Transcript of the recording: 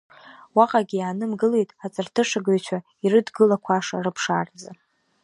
Уаҟагьы иаанымгылеит аҵарҭышагаҩцәа ирыдгылақәаша рыԥшааразы.